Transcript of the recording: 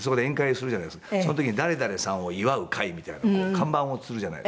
その時に誰々さんを祝う会みたいなのを看板をつるじゃないですか。